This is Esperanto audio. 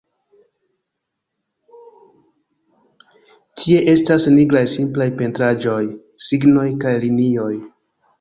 Tie estas nigraj simplaj pentraĵoj, signoj kaj linioj.